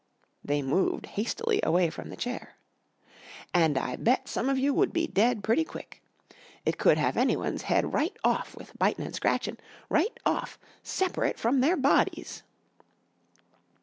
They moved hastily away from the chair, "and I bet some of you would be dead pretty quick. It could have anyone's head right off with bitin' and scratchin'. Right off separate from their bodies!"